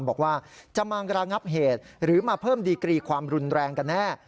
บอกว่าจะมาระงับเหตุหรือมาเพิ่มดีกรีความรุนแรงกันแน่